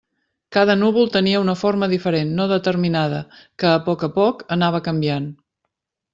Cada núvol tenia una forma diferent, no determinada, que, a poc a poc, anava canviant.